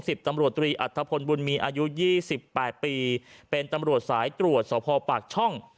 ตำรวจตรีอัฐพลบุญมีอายุยี่สิบแปดปีเป็นตำรวจสายตรวจสภปากช่อง